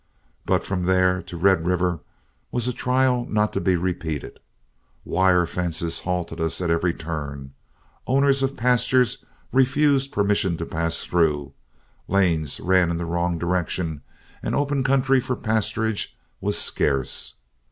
But from there to Red River was a trial not to be repeated. Wire fences halted us at every turn. Owners of pastures refused permission to pass through. Lanes ran in the wrong direction, and open country for pasturage was scarce.